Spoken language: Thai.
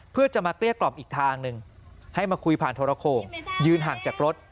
เพื่อจะมาเกลี้ยกล่อมอีกทางหนึ่งให้มาคุยผ่านโทรโขงยืนห่างจากรถ